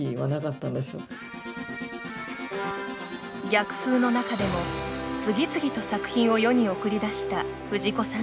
逆風の中でも、次々と作品を世に送り出した藤子さんたち。